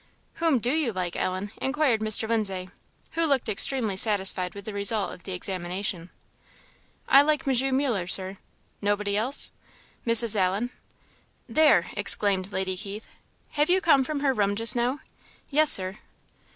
"Whom do you like, Ellen?" inquired Mr. Lindsay, who looked extremely satisfied with the result of the examination. "I like M. Muller, Sir." "Nobody else?" "Mrs. Allen." "There!" exclaimed Lady Keith. "Have you come from her room just now?" "Yes, Sir."